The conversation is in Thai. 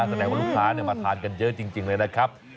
แสดงว่าลูกค้ามาทานกันเยอะจริงเลยนะครับ